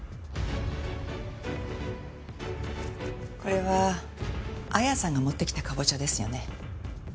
これは彩矢さんが持ってきたカボチャですよね？